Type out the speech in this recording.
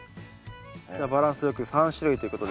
じゃあバランスよく３種類ということで。